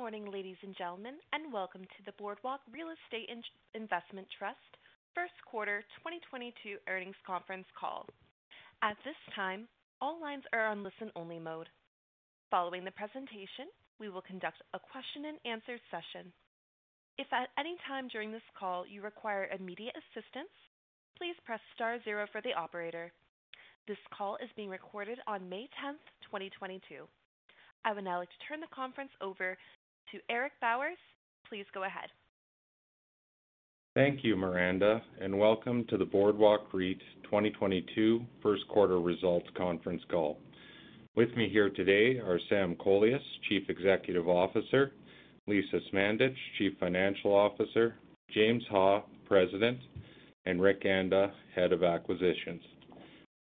Good morning, ladies and gentlemen, and welcome to the Boardwalk Real Estate Investment Trust first quarter 2022 earnings conference call. At this time, all lines are on listen-only mode. Following the presentation, we will conduct a question-and-answer session. If at any time during this call you require immediate assistance, please press star zero for the operator. This call is being recorded on May 10, 2022. I would now like to turn the conference over to Eric Bowers. Please go ahead. Thank you, Miranda, and welcome to the Boardwalk REIT 2022 first quarter results conference call. With me here today are Sam Kolias, Chief Executive Officer, Lisa Smandych, Chief Financial Officer, James Ha, President, and Rick Anda, Head of Acquisitions.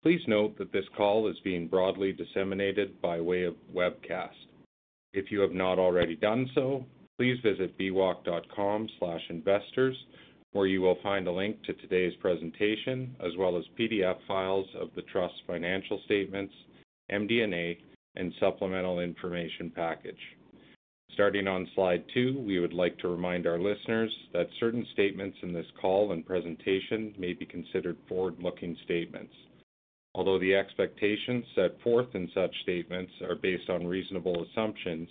Please note that this call is being broadly disseminated by way of webcast. If you have not already done so, please visit bwalk.com/investors, where you will find a link to today's presentation as well as PDF files of the Trust's financial statements, MD&A, and supplemental information package. Starting on Slide 2, we would like to remind our listeners that certain statements in this call and presentation may be considered forward-looking statements. Although the expectations set forth in such statements are based on reasonable assumptions,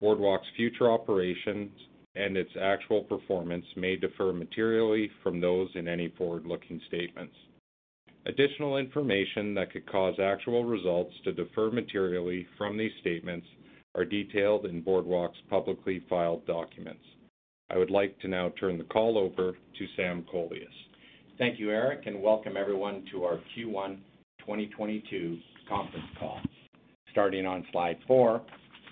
Boardwalk's future operations and its actual performance may differ materially from those in any forward-looking statements. Additional information that could cause actual results to differ materially from these statements are detailed in Boardwalk's publicly filed documents. I would like to now turn the call over to Sam Kolias. Thank you, Eric, and welcome everyone to our Q1 2022 conference call. Starting on Slide 4,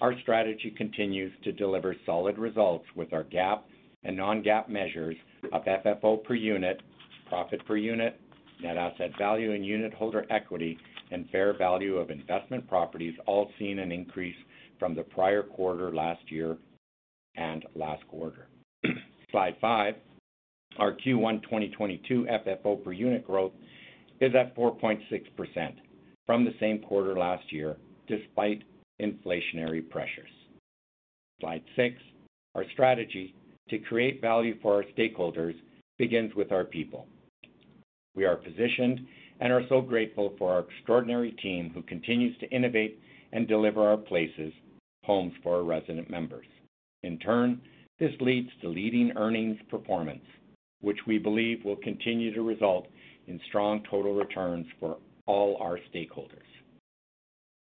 our strategy continues to deliver solid results with our GAAP and non-GAAP measures of FFO per unit, profit per unit, net asset value and unitholder equity, and fair value of investment properties all seeing an increase from the prior quarter last year and last quarter. Slide 5. Our Q1 2022 FFO per unit growth is at 4.6% from the same quarter last year, despite inflationary pressures. Slide 6. Our strategy to create value for our stakeholders begins with our people. We are positioned and are so grateful for our extraordinary team who continues to innovate and deliver our places, homes for our resident members. In turn, this leads to leading earnings performance, which we believe will continue to result in strong total returns for all our stakeholders.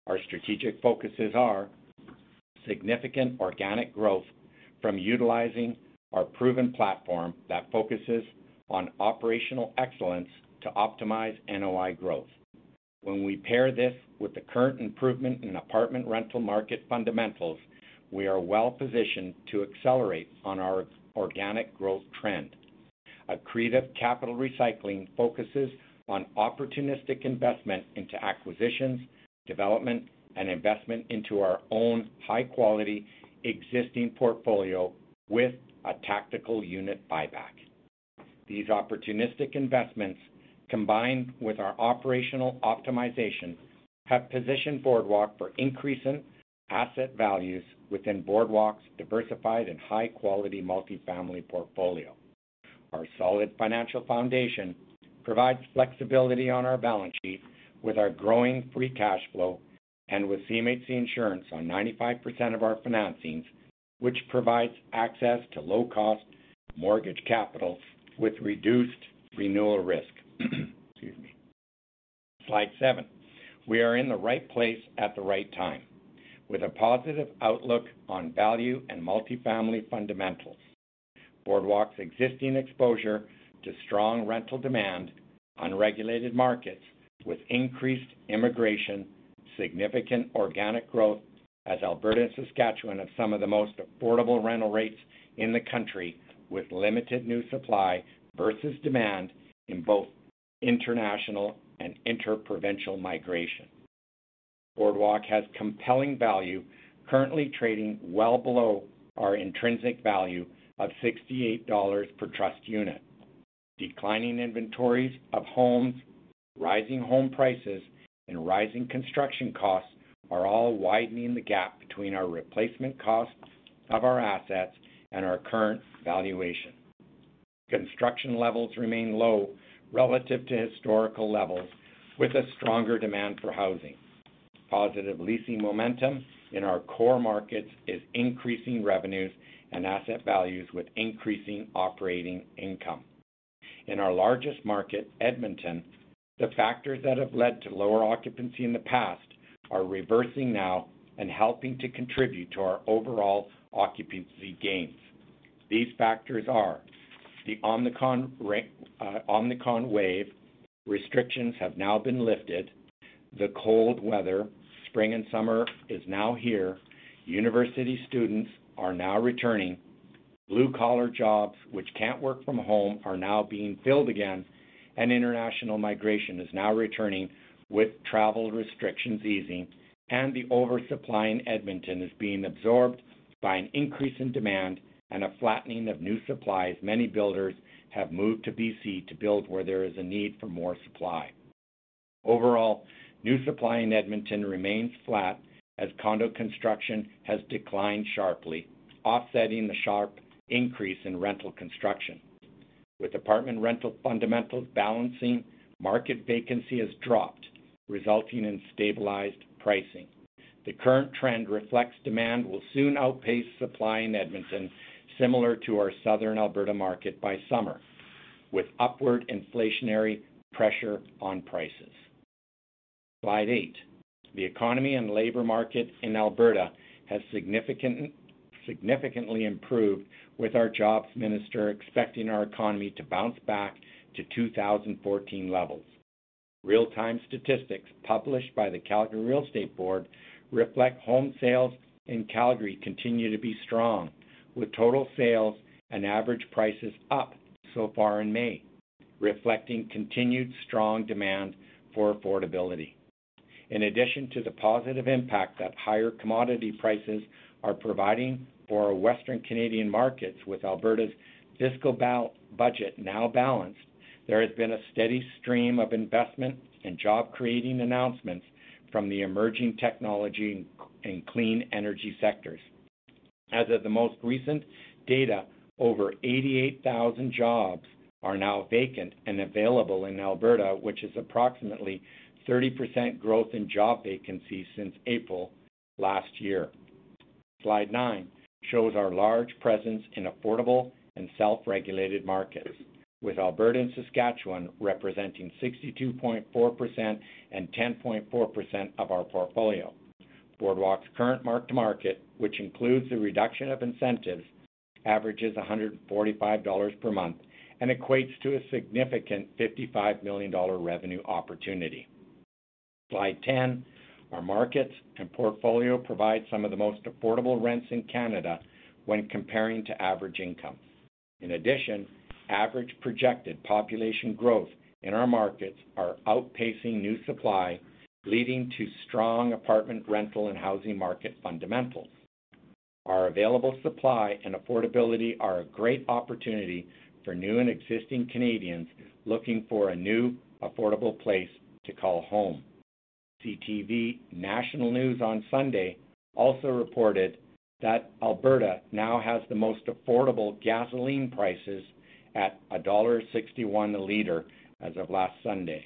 Our strategic focuses are significant organic growth from utilizing our proven platform that focuses on operational excellence to optimize NOI growth. When we pair this with the current improvement in apartment rental market fundamentals, we are well positioned to accelerate on our organic growth trend. Accretive capital recycling focuses on opportunistic investment into acquisitions, development, and investment into our own high-quality existing portfolio with a tactical unit buyback. These opportunistic investments, combined with our operational optimization, have positioned Boardwalk for increasing asset values within Boardwalk's diversified and high-quality multi-family portfolio. Our solid financial foundation provides flexibility on our balance sheet with our growing free cash flow and with CMHC insurance on 95% of our financings, which provides access to low-cost mortgage capital with reduced renewal risk. Excuse me. Slide 7. We are in the right place at the right time. With a positive outlook on value and multifamily fundamentals, Boardwalk's existing exposure to strong rental demand, unregulated markets with increased immigration, significant organic growth as Alberta and Saskatchewan have some of the most affordable rental rates in the country, with limited new supply versus demand in both international and inter-provincial migration. Boardwalk has compelling value currently trading well below our intrinsic value of 68 dollars per trust unit. Declining inventories of homes, rising home prices, and rising construction costs are all widening the gap between our replacement cost of our assets and our current valuation. Construction levels remain low relative to historical levels with a stronger demand for housing. Positive leasing momentum in our core markets is increasing revenues and asset values with increasing operating income. In our largest market, Edmonton, the factors that have led to lower occupancy in the past are reversing now and helping to contribute to our overall occupancy gains. These factors are the Omicron wave restrictions have now been lifted. The cold weather, spring and summer is now here. University students are now returning. Blue-collar jobs which can't work from home are now being filled again. International migration is now returning with travel restrictions easing and the oversupply in Edmonton is being absorbed by an increase in demand and a flattening of new supply as many builders have moved to BC to build where there is a need for more supply. Overall, new supply in Edmonton remains flat as condo construction has declined sharply, offsetting the sharp increase in rental construction. With apartment rental fundamentals balancing, market vacancy has dropped, resulting in stabilized pricing. The current trend reflects demand will soon outpace supply in Edmonton, similar to our Southern Alberta market by summer, with upward inflationary pressure on prices. Slide 8. The economy and labor market in Alberta has significantly improved with our jobs minister expecting our economy to bounce back to 2014 levels. Real-time statistics published by the Calgary Real Estate Board reflect home sales in Calgary continue to be strong, with total sales and average prices up so far in May, reflecting continued strong demand for affordability. In addition to the positive impact that higher commodity prices are providing for our Western Canadian markets with Alberta's fiscal budget now balanced, there has been a steady stream of investment and job-creating announcements from the emerging technology and clean energy sectors. As of the most recent data, over 88,000 jobs are now vacant and available in Alberta, which is approximately 30% growth in job vacancies since April last year. Slide 9 shows our large presence in affordable and self-regulated markets, with Alberta and Saskatchewan representing 62.4% and 10.4% of our portfolio. Boardwalk's current mark-to-market, which includes the reduction of incentives, averages 145 dollars per month and equates to a significant 55 million dollar revenue opportunity. Slide 10. Our markets and portfolio provide some of the most affordable rents in Canada when comparing to average income. In addition, average projected population growth in our markets are outpacing new supply, leading to strong apartment rental and housing market fundamentals. Our available supply and affordability are a great opportunity for new and existing Canadians looking for a new, affordable place to call home. CTV National News on Sunday also reported that Alberta now has the most affordable gasoline prices at dollar 1.61 a liter as of last Sunday.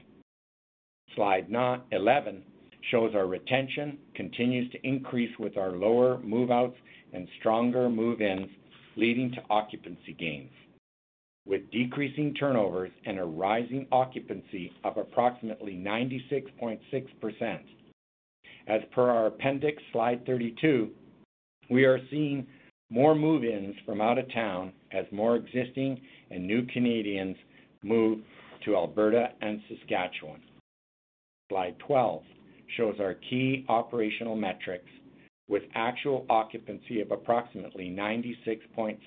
Slide 11 shows our retention continues to increase with our lower move-outs and stronger move-ins, leading to occupancy gains with decreasing turnovers and a rising occupancy of approximately 96.6%. As per our appendix Slide 32, we are seeing more move-ins from out of town as more existing and new Canadians move to Alberta and Saskatchewan. Slide 12 shows our key operational metrics with actual occupancy of approximately 96.6%.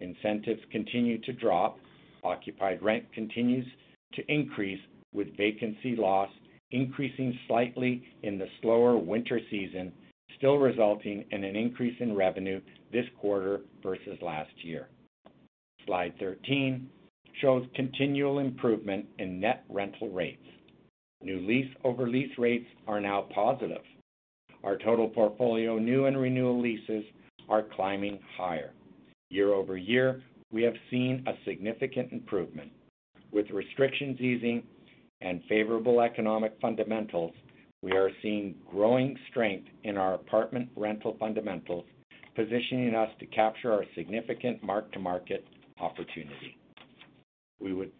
Incentives continue to drop, occupied rent continues to increase, with vacancy loss increasing slightly in the slower winter season, still resulting in an increase in revenue this quarter versus last year. Slide 13 shows continual improvement in net rental rates. New lease over lease rates are now positive. Our total portfolio, new and renewal leases are climbing higher. Year-over-year, we have seen a significant improvement. With restrictions easing and favorable economic fundamentals, we are seeing growing strength in our apartment rental fundamentals, positioning us to capture our significant mark-to-market opportunity. We would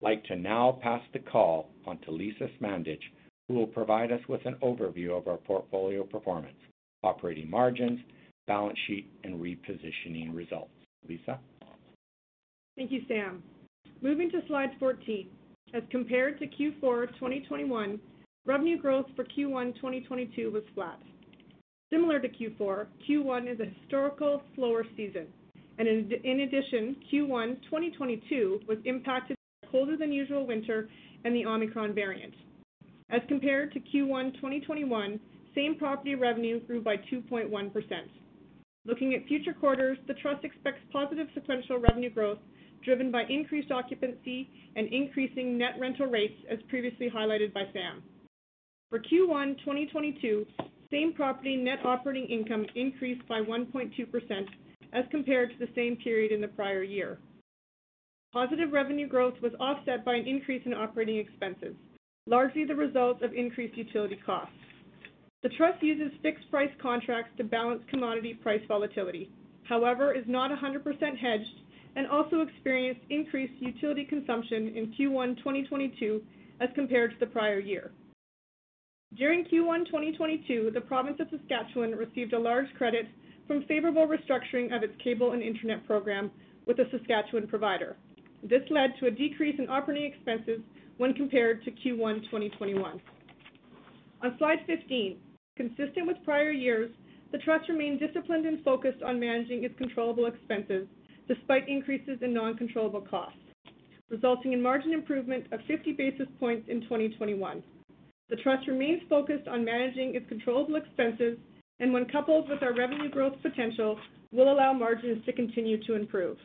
like to now pass the call on to Lisa Smandych, who will provide us with an overview of our portfolio performance, operating margins, balance sheet, and repositioning results. Lisa. Thank you, Sam. Moving to Slide 14. As compared to Q4 2021, revenue growth for Q1 2022 was flat. Similar to Q4, Q1 is a historical slower season, and in addition, Q1 2022 was impacted by a colder than usual winter and the Omicron variant. As compared to Q1 2021, same-property revenue grew by 2.1%. Looking at future quarters, the trust expects positive sequential revenue growth, driven by increased occupancy and increasing net rental rates, as previously highlighted by Sam. For Q1 2022, same-property net operating income increased by 1.2% as compared to the same period in the prior year. Positive revenue growth was offset by an increase in operating expenses, largely the result of increased utility costs. The trust uses fixed-price contracts to balance commodity price volatility. However, it is not 100% hedged and also experienced increased utility consumption in Q1 2022 as compared to the prior year. During Q1 2022, the province of Saskatchewan received a large credit from favorable restructuring of its cable and internet program with a Saskatchewan provider. This led to a decrease in operating expenses when compared to Q1 2021. On Slide 15. Consistent with prior years, the trust remained disciplined and focused on managing its controllable expenses, despite increases in non-controllable costs, resulting in margin improvement of 50 basis points in 2021. The trust remains focused on managing its controllable expenses, and when coupled with our revenue growth potential, will allow margins to continue to improve.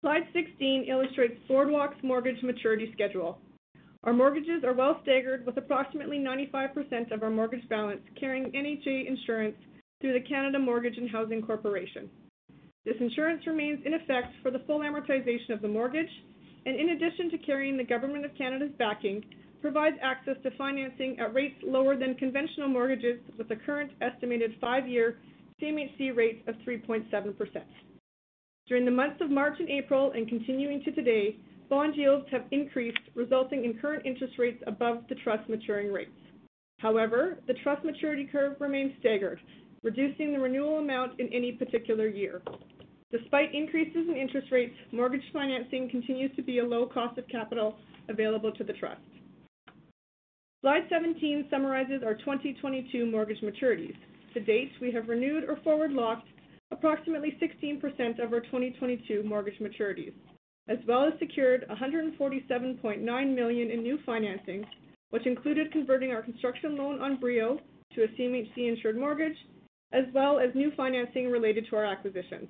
Slide 16 illustrates Boardwalk's mortgage maturity schedule. Our mortgages are well staggered with approximately 95% of our mortgage balance carrying NHA insurance through the Canada Mortgage and Housing Corporation. This insurance remains in effect for the full amortization of the mortgage, and in addition to carrying the government of Canada's backing, provides access to financing at rates lower than conventional mortgages with the current estimated five-year CMHC rate of 3.7%. During the months of March and April and continuing to today, bond yields have increased, resulting in current interest rates above the trust maturing rates. However, the trust maturity curve remains staggered, reducing the renewal amount in any particular year. Despite increases in interest rates, mortgage financing continues to be a low cost of capital available to the trust. Slide 17 summarizes our 2022 mortgage maturities. To date, we have renewed or forward locked approximately 16% of our 2022 mortgage maturities, as well as secured 147.9 million in new financing, which included converting our construction loan on BRIO to a CMHC insured mortgage, as well as new financing related to our acquisitions.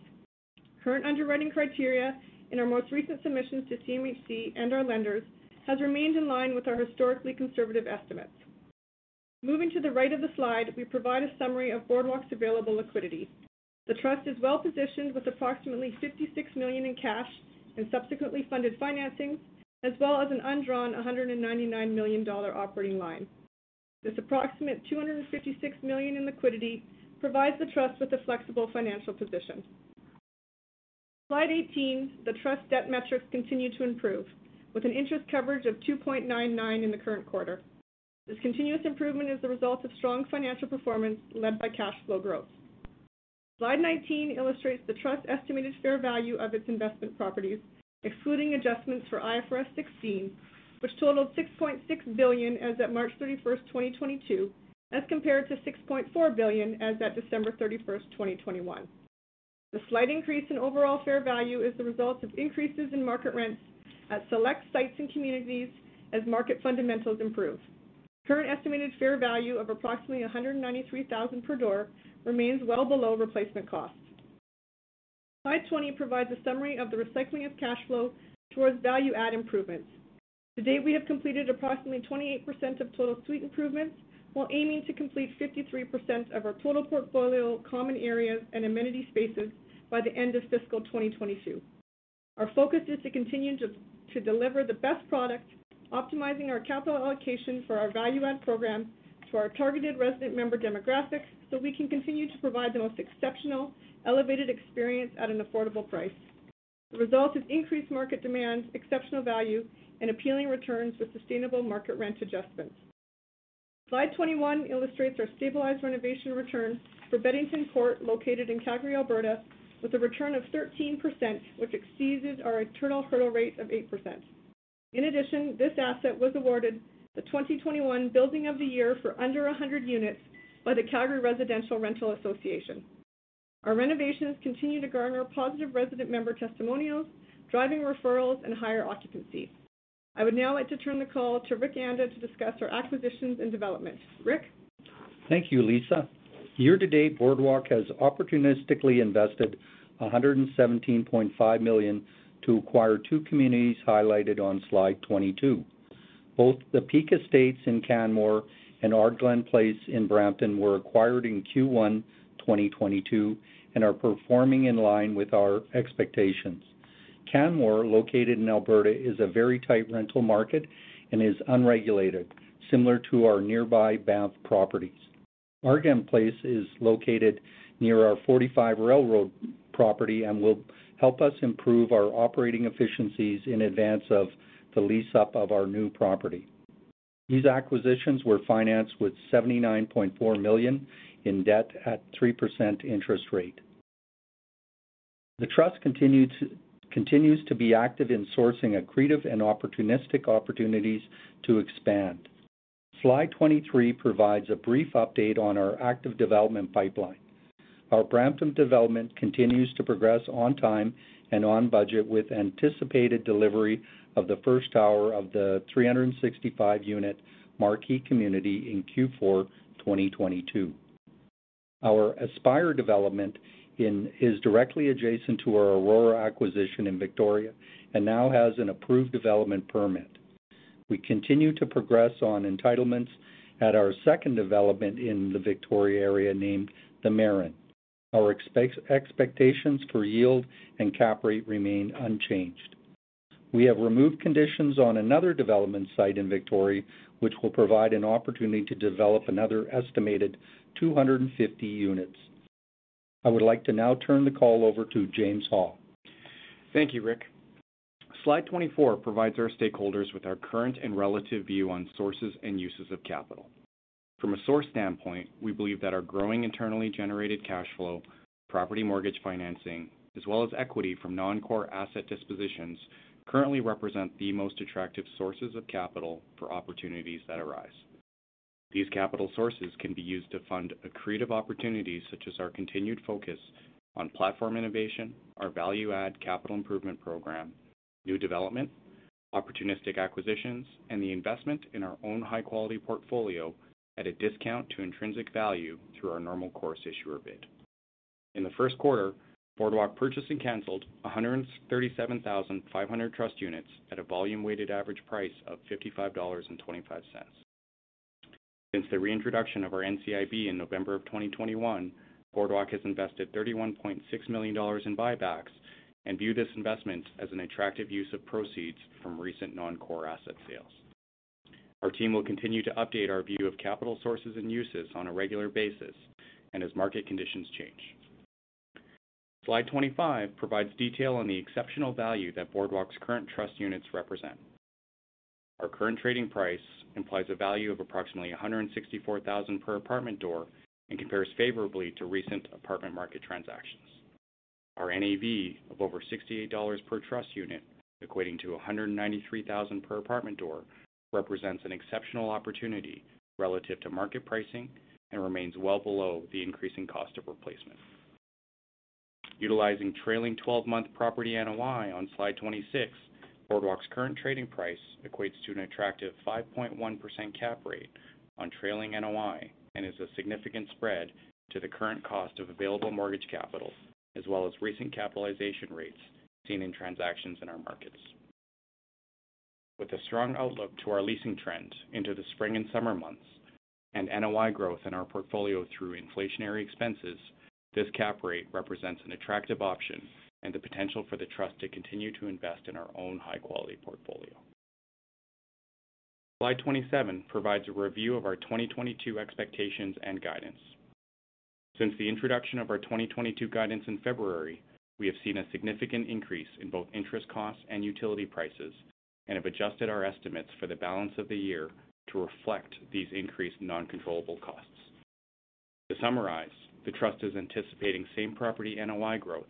Current underwriting criteria in our most recent submissions to CMHC and our lenders has remained in line with our historically conservative estimates. Moving to the right of the slide, we provide a summary of Boardwalk's available liquidity. The trust is well-positioned with approximately 56 million in cash and subsequently funded financing, as well as an undrawn 199 million dollar operating line. This approximate 256 million in liquidity provides the trust with a flexible financial position. Slide 18, the trust debt metrics continue to improve with an interest coverage of 2.99 in the current quarter. This continuous improvement is the result of strong financial performance led by cash flow growth. Slide 19 illustrates the trust's estimated fair value of its investment properties, excluding adjustments for IFRS 16, which totaled 6.6 billion as at March 31st, 2022, as compared to 6.4 billion as at December 31st, 2021. The slight increase in overall fair value is the result of increases in market rents at select sites and communities as market fundamentals improve. Current estimated fair value of approximately 193,000 per door remains well below replacement costs. Slide 20 provides a summary of the recycling of cash flow towards value add improvements. To date, we have completed approximately 28% of total suite improvements, while aiming to complete 53% of our total portfolio, common areas and amenity spaces by the end of fiscal 2022. Our focus is to continue to deliver the best product, optimizing our capital allocation for our value add program to our targeted resident member demographics, so we can continue to provide the most exceptional, elevated experience at an affordable price. The result is increased market demand, exceptional value and appealing returns with sustainable market rent adjustments. Slide 21 illustrates our stabilized renovation return for Beddington Court, located in Calgary, Alberta, with a return of 13%, which exceeded our internal hurdle rate of 8%. In addition, this asset was awarded the 2021 Building of the Year for under 100 units by the Calgary Residential Rental Association. Our renovations continue to garner positive resident member testimonials, driving referrals and higher occupancy. I would now like to turn the call to Rick Anda to discuss our acquisitions and developments. Rick? Thank you, Lisa. Year to date, Boardwalk has opportunistically invested 117.5 million to acquire two communities highlighted on Slide 22. Both the Peak Estates in Canmore and Ardglen Place in Brampton were acquired in Q1 2022, and are performing in line with our expectations. Canmore, located in Alberta, is a very tight rental market and is unregulated, similar to our nearby Banff properties. Ardglen Place is located near our 45 Railroad property and will help us improve our operating efficiencies in advance of the lease up of our new property. These acquisitions were financed with 79.4 million in debt at 3% interest rate. The trust continues to be active in sourcing accretive and opportunistic opportunities to expand. Slide 23 provides a brief update on our active development pipeline. Our Brampton development continues to progress on time and on budget with anticipated delivery of the first tower of the 365-unit Marquee community in Q4 2022. Our Aspire development is directly adjacent to our Aurora acquisition in Victoria and now has an approved development permit. We continue to progress on entitlements at our second development in the Victoria area named The Marin. Our expectations for yield and cap rate remain unchanged. We have removed conditions on another development site in Victoria, which will provide an opportunity to develop another estimated 250 units. I would like to now turn the call over to James Ha. Thank you, Rick. Slide 24 provides our stakeholders with our current and relative view on sources and uses of capital. From a source standpoint, we believe that our growing internally generated cash flow, property mortgage financing, as well as equity from non-core asset dispositions, currently represent the most attractive sources of capital for opportunities that arise. These capital sources can be used to fund accretive opportunities such as our continued focus on platform innovation, our value add capital improvement program, new development, opportunistic acquisitions and the investment in our own high-quality portfolio at a discount to intrinsic value through our normal course issuer bid. In the first quarter, Boardwalk purchased and canceled 137,500 trust units at a volume weighted average price of 55.25 dollars. Since the reintroduction of our NCIB in November 2021, Boardwalk has invested 31.6 million dollars in buybacks and view this investment as an attractive use of proceeds from recent non-core asset sales. Our team will continue to update our view of capital sources and uses on a regular basis and as market conditions change. Slide 25 provides detail on the exceptional value that Boardwalk's current trust units represent. Our current trading price implies a value of approximately 164,000 per apartment door and compares favorably to recent apartment market transactions. Our NAV of over 68 dollars per trust unit, equating to 193,000 per apartment door, represents an exceptional opportunity relative to market pricing and remains well below the increasing cost of replacement. Utilizing trailing 12-month property NOI on Slide 26, Boardwalk's current trading price equates to an attractive 5.1% cap rate on trailing NOI, and is a significant spread to the current cost of available mortgage capital, as well as recent capitalization rates seen in transactions in our markets. With a strong outlook to our leasing trends into the spring and summer months, and NOI growth in our portfolio through inflationary expenses, this cap rate represents an attractive option and the potential for the trust to continue to invest in our own high-quality portfolio. Slide 27 provides a review of our 2022 expectations and guidance. Since the introduction of our 2022 guidance in February, we have seen a significant increase in both interest costs and utility prices and have adjusted our estimates for the balance of the year to reflect these increased non-controllable costs. To summarize, the trust is anticipating same property NOI growth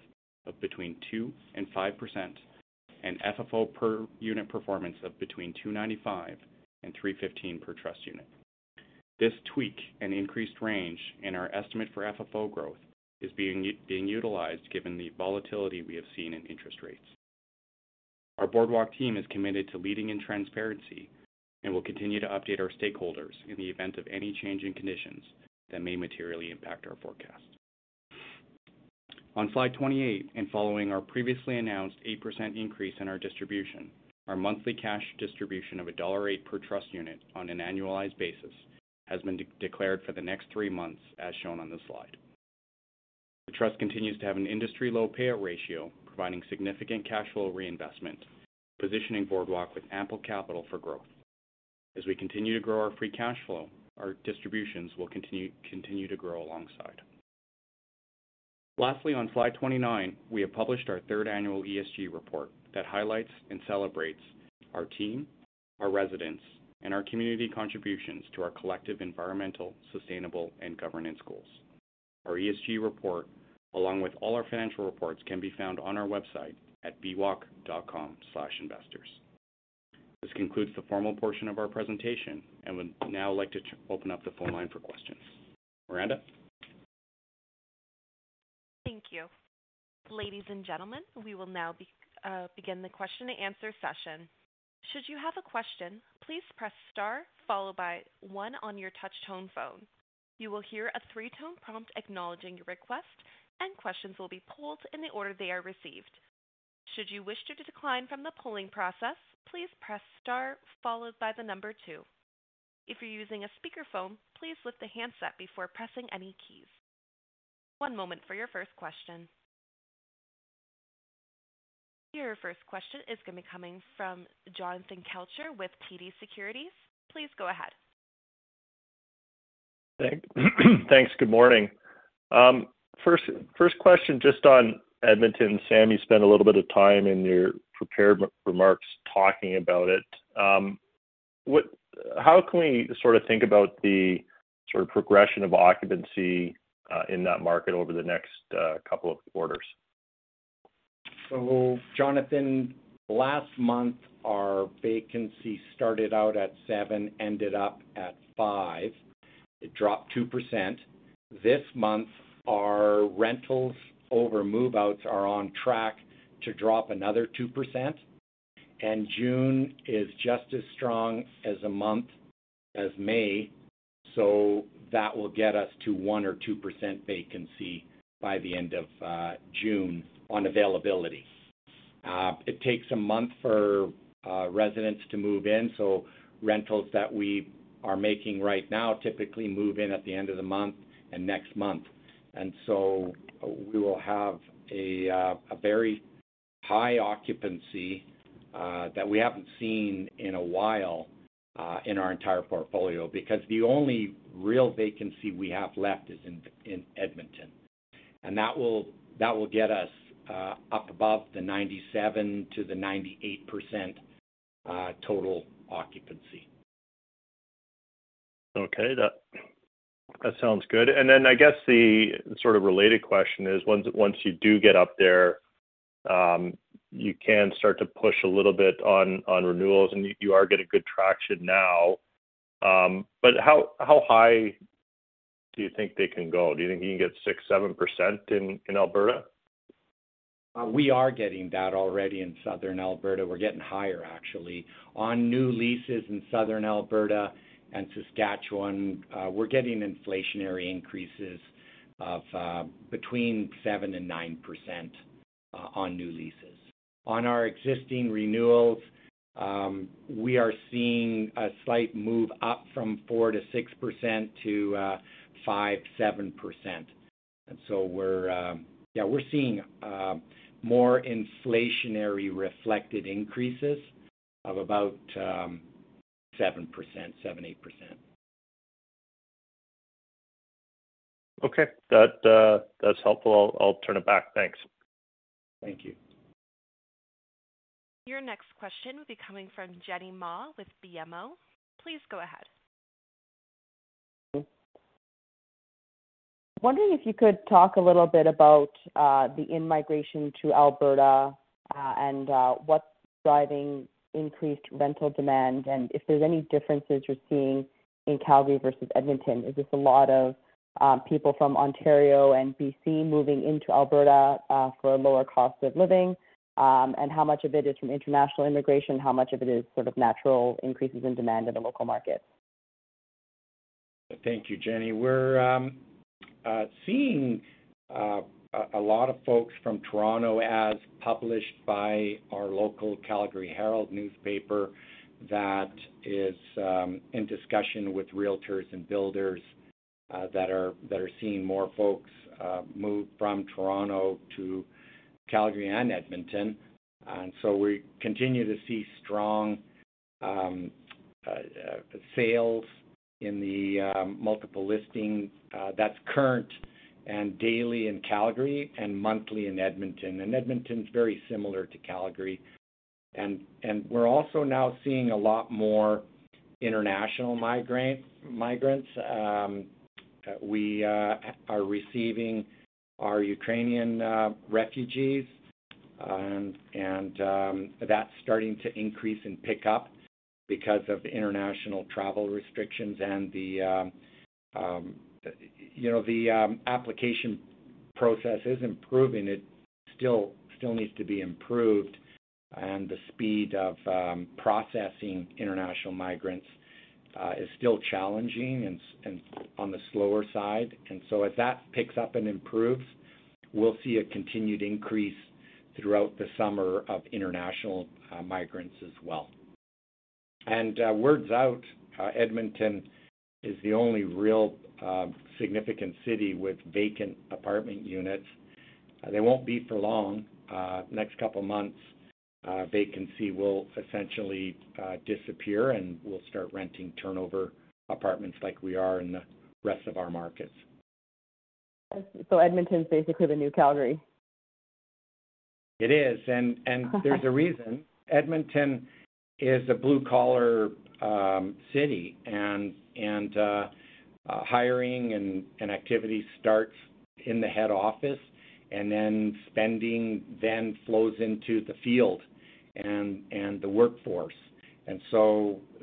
of between 2% and 5% and FFO per unit performance of between 2.95 and 3.15 per trust unit. This tweak and increased range in our estimate for FFO growth is being utilized given the volatility we have seen in interest rates. Our Boardwalk team is committed to leading in transparency and will continue to update our stakeholders in the event of any change in conditions that may materially impact our forecast. On Slide 28, following our previously announced 8% increase in our distribution, our monthly cash distribution of CAD 1.08 per trust unit on an annualized basis has been declared for the next three months, as shown on this slide. The trust continues to have an industry-low payout ratio, providing significant cash flow reinvestment, positioning Boardwalk with ample capital for growth. As we continue to grow our free cash flow, our distributions will continue to grow alongside. Lastly, on Slide 29, we have published our third annual ESG report that highlights and celebrates our team, our residents, and our community contributions to our collective environmental, social, and governance goals. Our ESG report, along with all our financial reports, can be found on our website at bwalk.com/investors. This concludes the formal portion of our presentation, and we'd now like to open up the phone line for questions. Miranda? Thank you. Ladies and gentlemen, we will now begin the question and answer session. Should you have a question, please press star followed by one on your touch tone phone. You will hear a three-tone prompt acknowledging your request, and questions will be pooled in the order they are received. Should you wish to decline from the pooling process, please press star followed by the number two. If you're using a speakerphone, please lift the handset before pressing any keys. One moment for your first question. Your first question is gonna be coming from Jonathan Kelcher with TD Securities. Please go ahead. Thanks. Good morning. First question, just on Edmonton. Sam, you spent a little bit of time in your prepared remarks talking about it. How can we sort of think about the sort of progression of occupancy in that market over the next couple of quarters? Jonathan, last month, our vacancy started out at seven, ended up at five. It dropped 2%. This month, our rentals over move-outs are on track to drop another 2%, and June is just as strong a month as May. That will get us to 1% or 2% vacancy by the end of June on availability. It takes a month for residents to move in, so rentals that we are making right now typically move in at the end of the month and next month. We will have a very high occupancy that we haven't seen in a while in our entire portfolio, because the only real vacancy we have left is in Edmonton. That will get us up above the 97% to the 98% total occupancy. Okay. That sounds good. I guess the sort of related question is once you do get up there, you can start to push a little bit on renewals and you are getting good traction now, but how high Do you think they can go? Do you think you can get 6%-7% in Alberta? We are getting that already in Southern Alberta. We're getting higher actually. On new leases in Southern Alberta and Saskatchewan, we're getting inflationary increases of between 7% and 9% upon new leases. On our existing renewals, we are seeing a slight move up from 4% to 6% to 5%-7%. We're seeing more inflationary reflected increases of about 7%-8%. Okay. That's helpful. I'll turn it back. Thanks. Thank you. Your next question will be coming from Jenny Ma with BMO. Please go ahead. Wondering if you could talk a little bit about the in-migration to Alberta, and what's driving increased rental demand, and if there's any differences you're seeing in Calgary versus Edmonton. Is this a lot of people from Ontario and BC moving into Alberta for a lower cost of living? How much of it is from international immigration, how much of it is sort of natural increases in demand in the local market? Thank you, Jenny. We're seeing a lot of folks from Toronto as published by our local Calgary Herald newspaper that is in discussion with realtors and builders that are seeing more folks move from Toronto to Calgary and Edmonton. We continue to see strong sales in the multiple listing. That's current and daily in Calgary and monthly in Edmonton. Edmonton is very similar to Calgary. We're also now seeing a lot more international migrants. We are receiving our Ukrainian refugees, and that's starting to increase and pick up because of the international travel restrictions and the you know the application process is improving. It still needs to be improved, and the speed of processing international migrants is still challenging and on the slower side. As that picks up and improves, we'll see a continued increase throughout the summer of international migrants as well. Word's out, Edmonton is the only real significant city with vacant apartment units. They won't be for long. Next couple of months, vacancy will essentially disappear, and we'll start renting turnover apartments like we are in the rest of our markets. Edmonton is basically the new Calgary? It is. There's a reason. Edmonton is a blue-collar city, and hiring and activity starts in the head office, and then spending then flows into the field and the workforce.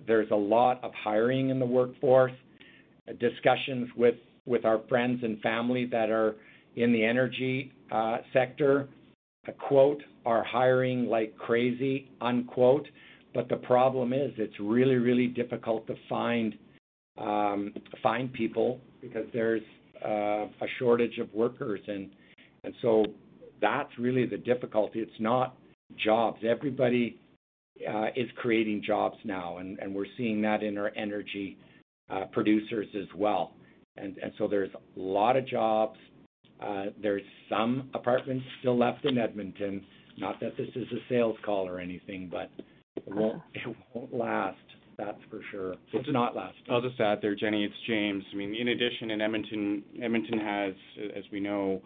There's a lot of hiring in the workforce. Discussions with our friends and family that are in the energy sector, quote, "are hiring like crazy," unquote. The problem is it's really, really difficult to find people because there's a shortage of workers. That's really the difficulty. It's not jobs. Everybody is creating jobs now, and we're seeing that in our energy producers as well. There's a lot of jobs. There's some apartments still left in Edmonton. Not that this is a sales call or anything, but it won't last, that's for sure. It's not lasting. I'll just add there, Jenny, it's James. I mean, in addition, in Edmonton has, as we know,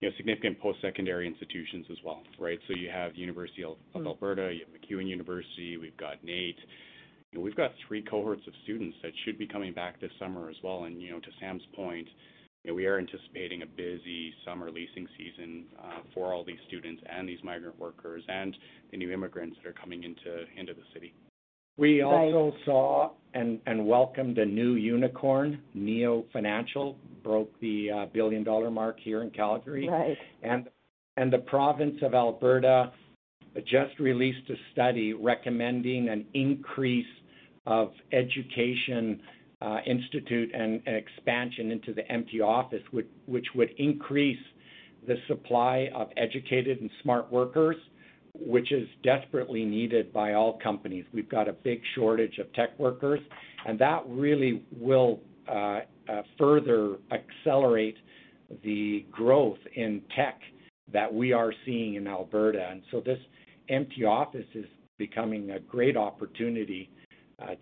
you know, significant post-secondary institutions as well, right? So you have University of Alberta, you have MacEwan University, we've got NAIT. We've got three cohorts of students that should be coming back this summer as well. You know, to Sam's point, we are anticipating a busy summer leasing season for all these students and these migrant workers and the new immigrants that are coming into the city. Right. We also saw and welcomed a new unicorn, Neo Financial, broke the $1 billion mark here in Calgary. Right. The province of Alberta just released a study recommending an increase of education institute and an expansion into the empty office, which would increase the supply of educated and smart workers, which is desperately needed by all companies. We've got a big shortage of tech workers, and that really will further accelerate the growth in tech that we are seeing in Alberta. This empty office is becoming a great opportunity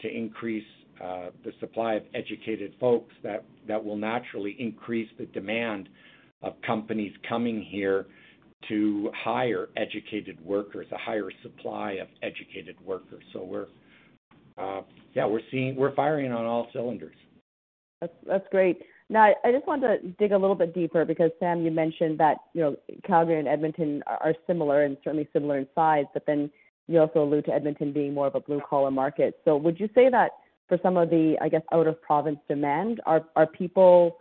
to increase the supply of educated folks that will naturally increase the demand of companies coming here to hire educated workers, a higher supply of educated workers. We're seeing we're firing on all cylinders. That's great. Now, I just want to dig a little bit deeper because Sam, you mentioned that, you know, Calgary and Edmonton are similar and certainly similar in size, but then you also allude to Edmonton being more of a blue-collar market. Would you say that for some of the, I guess, out of province demand, are people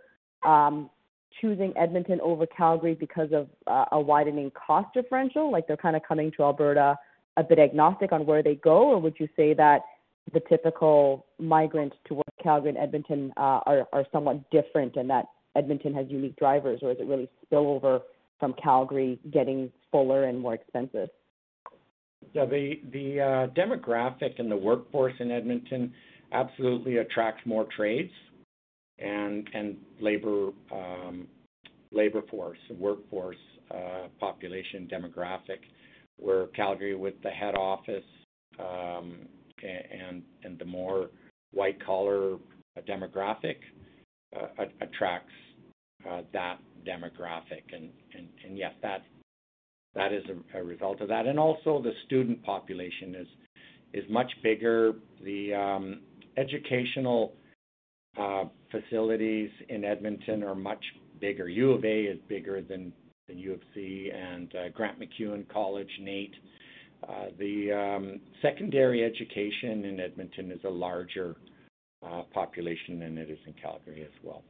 choosing Edmonton over Calgary because of a widening cost differential, like they're kinda coming to Alberta a bit agnostic on where they go, or would you say that the typical migrant towards Calgary and Edmonton are somewhat different in that Edmonton has unique drivers, or is it really spill over from Calgary getting fuller and more expensive? Yeah. The demographic and the workforce in Edmonton absolutely attracts more trades and labor force, workforce, population demographic. Where Calgary, with the head office, and the more white collar demographic attracts that demographic. Yes, that is a result of that. Also the student population is much bigger. The educational facilities in Edmonton are much bigger. U of A is bigger than the U of C, and Grant MacEwan University, NAIT. The secondary education in Edmonton is a larger population than it is in Calgary as well.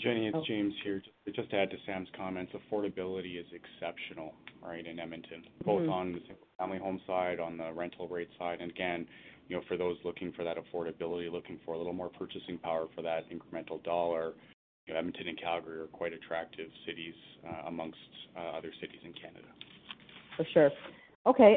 Jenny, it's James here. Just to add to Sam's comments, affordability is exceptional, right, in Edmonton. Mm-hmm. Both on the single-family home side, on the rental rate side. Again, you know, for those looking for that affordability, looking for a little more purchasing power for that incremental dollar, Edmonton and Calgary are quite attractive cities amongst other cities in Canada. For sure. Okay.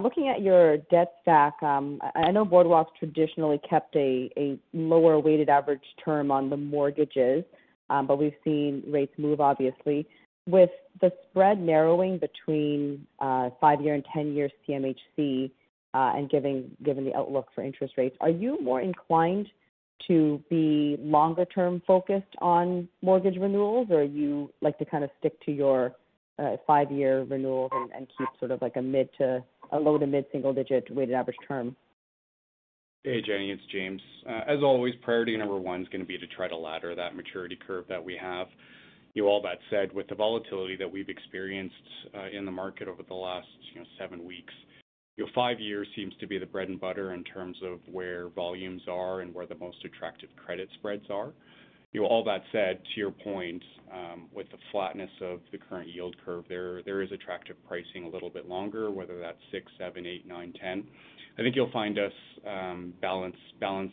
Looking at your debt stack, I know Boardwalk's traditionally kept a lower weighted average term on the mortgages, but we've seen rates move, obviously. With the spread narrowing between five-year and 10-year CMHC, and given the outlook for interest rates, are you more inclined to be longer term focused on mortgage renewals, or are you likely to kind of stick to your five-year renewal and keep sort of like a low to mid single-digit weighted average term? Hey, Jenny, it's James. As always, priority number 1's gonna be to try to ladder that maturity curve that we have. You know, all that said, with the volatility that we've experienced in the market over the last, you know, seven weeks, you know, five years seems to be the bread and butter in terms of where volumes are and where the most attractive credit spreads are. You know, all that said, to your point, with the flatness of the current yield curve there is attractive pricing a little bit longer, whether that's six, seven, eight, nine, 10. I think you'll find us balance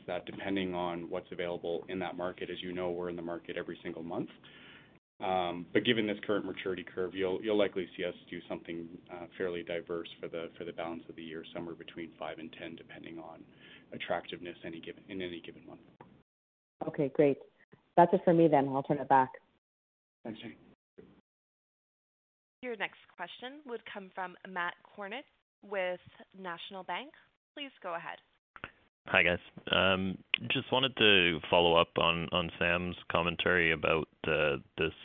that depending on what's available in that market. As you know, we're in the market every single month. Given this current maturity curve, you'll likely see us do something fairly diverse for the balance of the year, somewhere between 5 and 10, depending on attractiveness in any given month. Okay, great. That's it for me then. I'll turn it back. Thanks, Jenny. Your next question would come from Matt Kornack with National Bank. Please go ahead. Hi, guys. Just wanted to follow up on Sam's commentary about the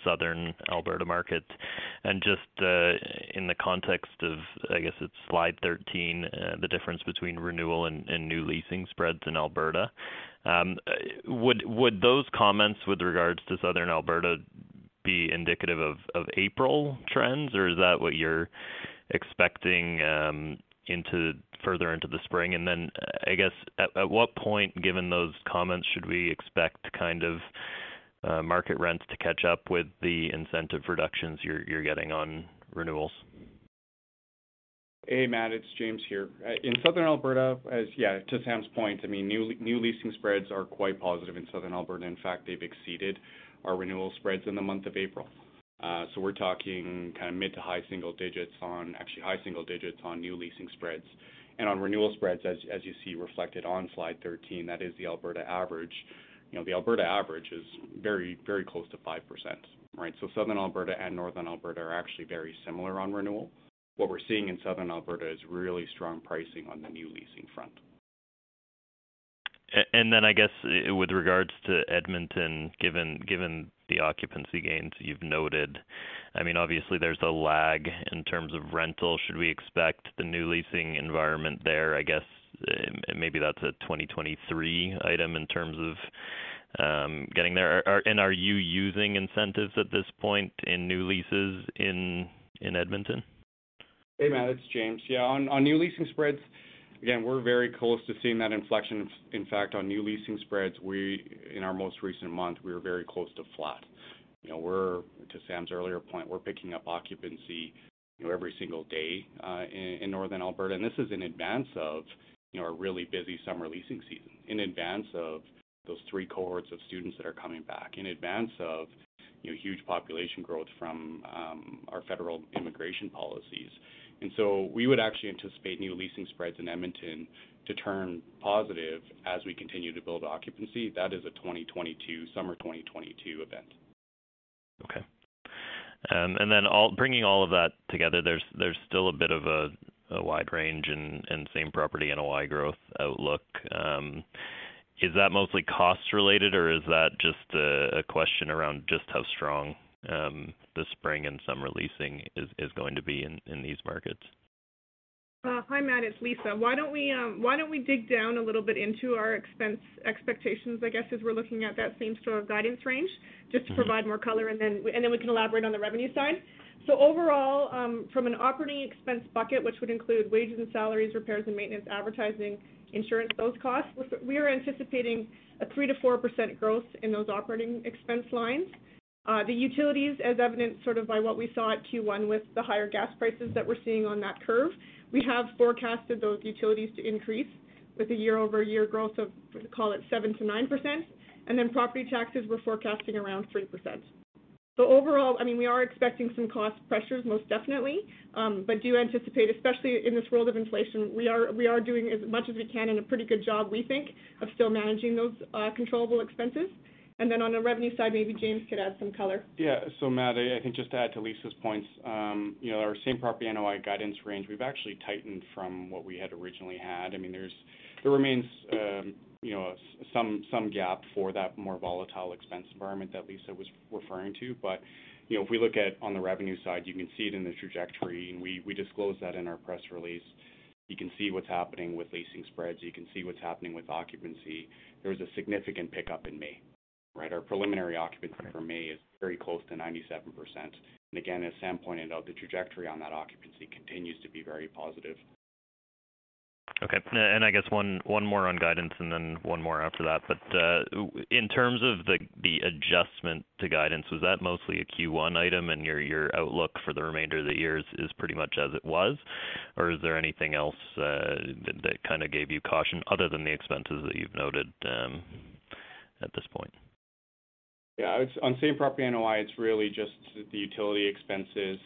southern Alberta market. Just in the context of, I guess it's Slide 13, the difference between renewal and new leasing spreads in Alberta, would those comments with regards to southern Alberta be indicative of April trends, or is that what you're expecting further into the spring? I guess at what point, given those comments, should we expect market rents to catch up with the incentive reductions you're getting on renewals? Hey, Matt, it's James here. In southern Alberta, to Sam's point, I mean, new leasing spreads are quite positive in southern Alberta. In fact, they've exceeded our renewal spreads in the month of April. We're talking kind of mid- to high-single digits, actually high single digits on new leasing spreads. On renewal spreads, as you see reflected on Slide 13, that is the Alberta average. You know, the Alberta average is very, very close to 5%, right? Southern Alberta and northern Alberta are actually very similar on renewal. What we're seeing in southern Alberta is really strong pricing on the new leasing front. I guess with regards to Edmonton, given the occupancy gains you've noted, I mean, obviously there's a lag in terms of rental. Should we expect the new leasing environment there? I guess maybe that's a 2023 item in terms of getting there. Are you using incentives at this point in new leases in Edmonton? Hey, Matt, it's James. Yeah, on new leasing spreads, again, we're very close to seeing that inflection. In fact, on new leasing spreads, in our most recent month, we were very close to flat. You know, to Sam's earlier point, we're picking up occupancy, you know, every single day in northern Alberta. This is in advance of, you know, a really busy summer leasing season, in advance of those three cohorts of students that are coming back, in advance of, you know, huge population growth from our federal immigration policies. We would actually anticipate new leasing spreads in Edmonton to turn positive as we continue to build occupancy. That is a 2022, summer 2022 event. Okay. Bringing all of that together, there's still a bit of a wide range in same property NOI growth outlook. Is that mostly cost related, or is that just a question around just how strong the spring and summer leasing is going to be in these markets? Hi, Matt. It's Lisa. Why don't we dig down a little bit into our expense expectations, I guess, as we're looking at that same store guidance range just to provide more color, and then we can elaborate on the revenue side. Overall, from an operating expense bucket, which would include wages and salaries, repairs and maintenance, advertising, insurance, those costs, we are anticipating a 3%-4% growth in those operating expense lines. The utilities as evidenced sort of by what we saw at Q1 with the higher gas prices that we're seeing on that curve, we have forecasted those utilities to increase with a year-over-year growth of, call it 7%-9%. Then property taxes, we're forecasting around 3%. Overall, I mean, we are expecting some cost pressures, most definitely. But do anticipate, especially in this world of inflation, we are doing as much as we can and a pretty good job, we think, of still managing those controllable expenses. Then on the revenue side, maybe James could add some color. Yeah. Matt, I can just add to Lisa's points. You know, our same property NOI guidance range, we've actually tightened from what we had originally had. I mean, there remains, you know, some gap for that more volatile expense environment that Lisa was referring to. But, you know, if we look at on the revenue side, you can see it in the trajectory, and we disclose that in our press release. You can see what's happening with leasing spreads. You can see what's happening with occupancy. There was a significant pickup in May, right? Our preliminary occupancy for May is very close to 97%. Again, as Sam pointed out, the trajectory on that occupancy continues to be very positive. Okay. I guess one more on guidance and then one more after that. In terms of the adjustment to guidance, was that mostly a Q1 item and your outlook for the remainder of the years is pretty much as it was? Or is there anything else that kinda gave you caution other than the expenses that you've noted at this point? On same-property NOI, it's really just the utility expenses.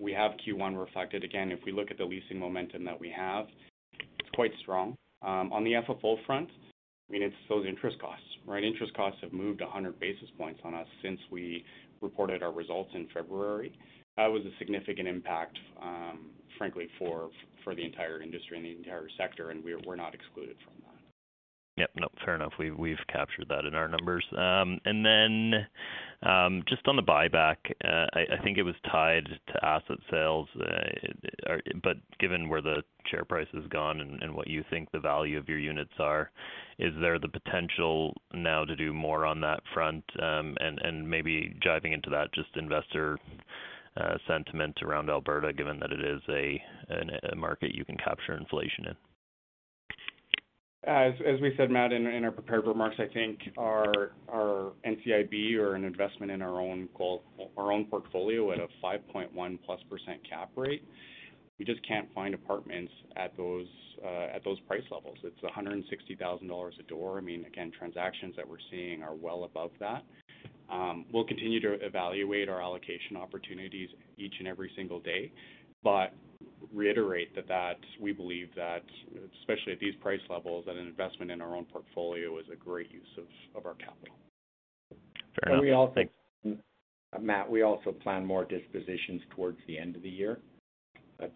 We have Q1 reflected. Again, if we look at the leasing momentum that we have, it's quite strong. On the FFO front, I mean, it's those interest costs, right? Interest costs have moved 100 basis points on us since we reported our results in February. That was a significant impact, frankly, for the entire industry and the entire sector, and we're not excluded from that. Yep, no, fair enough. We've captured that in our numbers. And then just on the buyback, I think it was tied to asset sales. Given where the share price has gone and what you think the value of your units are, is there the potential now to do more on that front? And maybe diving into that, just investor sentiment around Alberta, given that it is a market you can capture inflation in. As we said, Matt, in our prepared remarks, I think our NCIB or an investment in our own portfolio at a 5.1%+ cap rate, we just can't find apartments at those price levels. It's 160,000 dollars a door. I mean, again, transactions that we're seeing are well above that. We'll continue to evaluate our allocation opportunities each and every single day, but reiterate that we believe that, especially at these price levels, that an investment in our own portfolio is a great use of our capital. Fair enough. Thanks. Matt, we also plan more dispositions towards the end of the year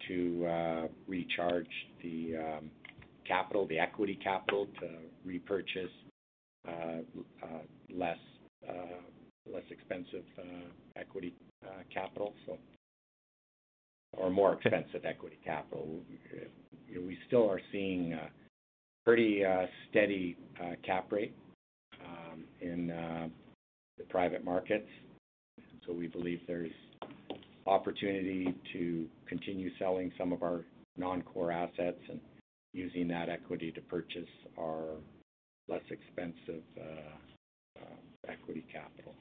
to recharge the capital, the equity capital to repurchase less expensive equity capital. More expensive equity capital. We still are seeing a pretty steady cap rate in the private markets. We believe there's opportunity to continue selling some of our non-core assets and using that equity to purchase our less expensive equity capital.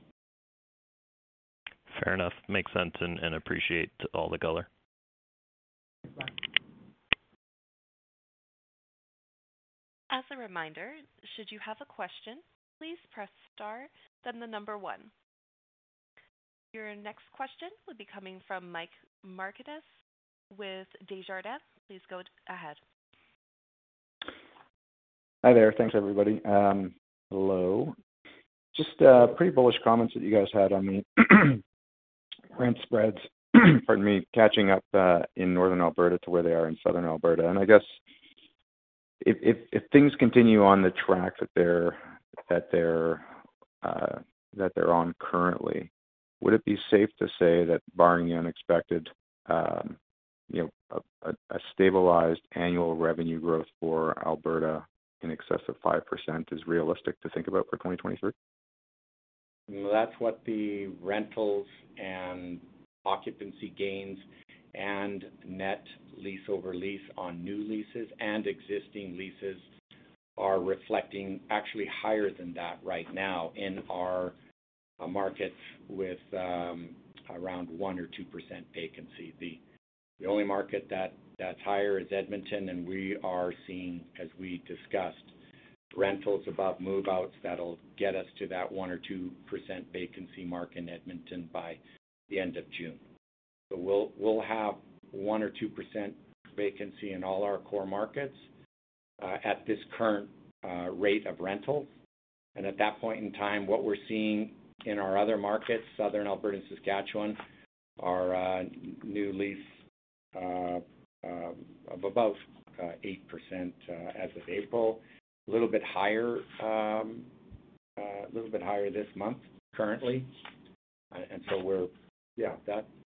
Fair enough. Makes sense. Appreciate all the color. Bye. As a reminder, should you have a question, please press star, then the number one. Your next question would be coming from Mike Markidis with Desjardins. Please go ahead. Hi there. Thanks, everybody. Hello. Just pretty bullish comments that you guys had on the rent spreads, pardon me, catching up in northern Alberta to where they are in southern Alberta. I guess if things continue on the track that they're on currently, would it be safe to say that barring the unexpected, you know, a stabilized annual revenue growth for Alberta in excess of 5% is realistic to think about for 2023? That's what the rentals and occupancy gains and net lease over lease on new leases and existing leases are reflecting actually higher than that right now in our markets with around 1%-2% vacancy. The only market that's higher is Edmonton, and we are seeing, as we discussed, rentals above move-outs that'll get us to that 1%-2% vacancy mark in Edmonton by the end of June. We'll have 1%-2% vacancy in all our core markets at this current rate of rental. At that point in time, what we're seeing in our other markets, southern Alberta and Saskatchewan, are new lease of about 8% as of April. A little bit higher this month currently.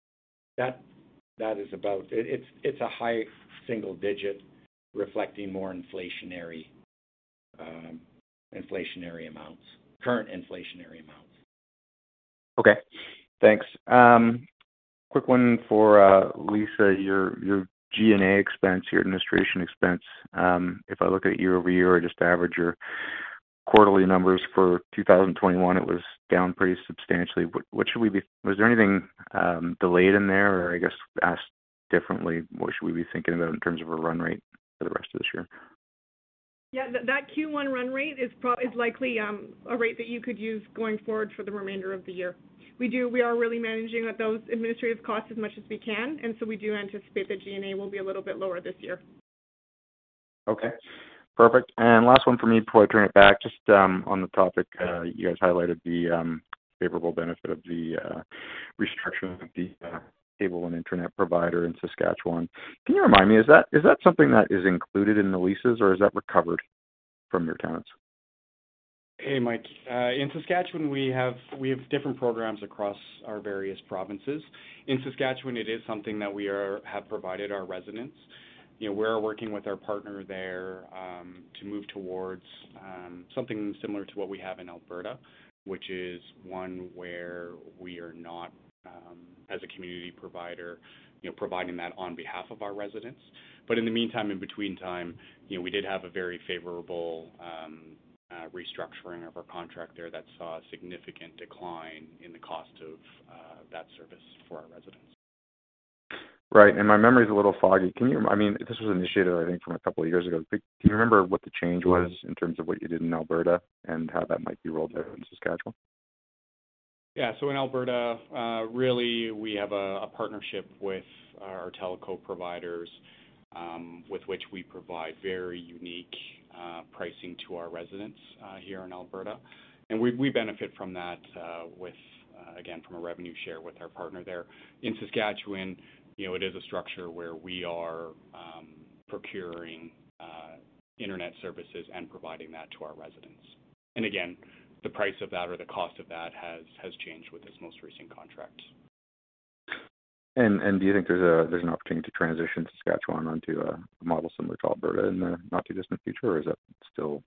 That is about a high single digit reflecting more inflationary amounts, current inflationary amounts. Okay, thanks. Quick one for Lisa. Your G&A expense, your administration expense, if I look at year-over-year or just average your quarterly numbers for 2021, it was down pretty substantially. What should we be? Was there anything delayed in there? Or I guess asked differently, what should we be thinking about in terms of a run rate for the rest of this year? Yeah. That Q1 run rate is likely a rate that you could use going forward for the remainder of the year. We are really managing those administrative costs as much as we can, and so we do anticipate the G&A will be a little bit lower this year. Okay, perfect. Last one for me before I turn it back. Just, on the topic, you guys highlighted the, favorable benefit of the, restructuring of the, cable and internet provider in Saskatchewan. Can you remind me, is that something that is included in the leases, or is that recovered from your tenants? Hey, Mike. In Saskatchewan, we have different programs across our various provinces. In Saskatchewan, it is something that we have provided our residents. You know, we're working with our partner there to move towards something similar to what we have in Alberta, which is one where we are not, as a community provider, you know, providing that on behalf of our residents. In the meantime and between time, you know, we did have a very favorable restructuring of our contract there that saw a significant decline in the cost of that service for our residents. Right. My memory's a little foggy. Can you, I mean, this was initiated, I think, from a couple of years ago. Do you remember what the change was in terms of what you did in Alberta and how that might be rolled out in Saskatchewan? In Alberta, really we have a partnership with our telco providers, with which we provide very unique pricing to our residents here in Alberta. We benefit from that, again, from a revenue share with our partner there. In Saskatchewan, it is a structure where we are procuring internet services and providing that to our residents. Again, the price of that or the cost of that has changed with this most recent contract. Do you think there's an opportunity to transition Saskatchewan onto a model similar to Alberta in the not too distant future, or is that still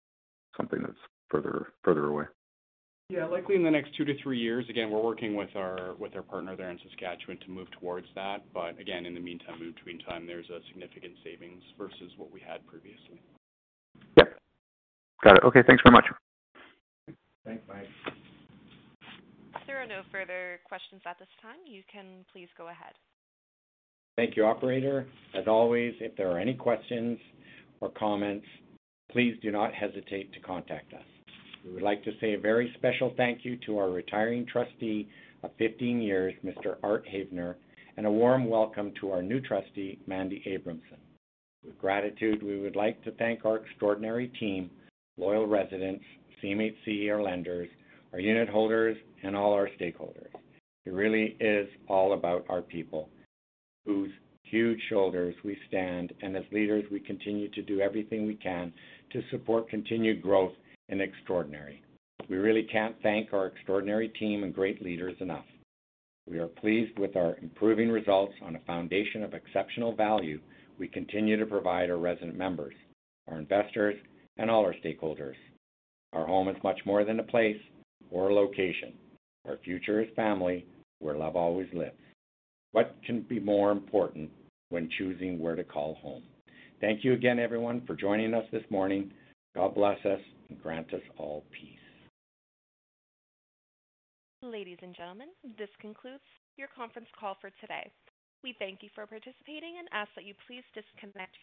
something that's further away? Yeah, likely in the next 2-3 years. Again, we're working with our partner there in Saskatchewan to move towards that. Again, in the meantime, between time, there's a significant savings versus what we had previously. Yep. Got it. Okay, thanks very much. Thanks, Mike. There are no further questions at this time. You can please go ahead. Thank you, operator. As always, if there are any questions or comments, please do not hesitate to contact us. We would like to say a very special thank you to our retiring trustee of 15 years, Mr. Arthur Havener, and a warm welcome to our new trustee, Mandy Abramsohn. With gratitude, we would like to thank our extraordinary team, loyal residents, CMHC, our lenders, our unit holders, and all our stakeholders. It really is all about our people whose huge shoulders we stand, and as leaders, we continue to do everything we can to support continued growth and extraordinary. We really can't thank our extraordinary team and great leaders enough. We are pleased with our improving results on a foundation of exceptional value we continue to provide our resident members, our investors, and all our stakeholders. Our home is much more than a place or a location. Our future is family, where love always lives. What can be more important when choosing where to call home? Thank you again, everyone, for joining us this morning. God bless us and grant us all peace. Ladies and gentlemen, this concludes your conference call for today. We thank you for participating and ask that you please disconnect your.